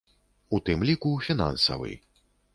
У тым ліку фінансавы.